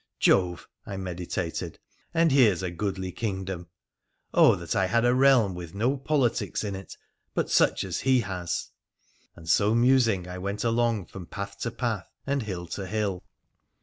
' Jove !' I meditated, ' and here's a goodly kingdom. Oh that I had a realm with no politics in it but such as he has !' and so musing I went along from path to path and hill to bill.